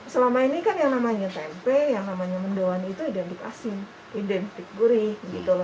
selama ini kan yang namanya tempe yang namanya mendoan itu identik asin identik gurih gitu loh